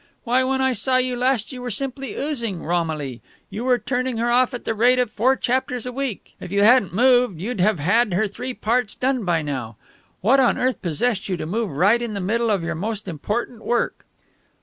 "Why, when I saw you last you were simply oozing Romilly; you were turning her off at the rate of four chapters a week; if you hadn't moved you'd have had her three parts done by now. What on earth possessed you to move right in the middle of your most important work?"